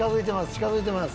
近付いてます。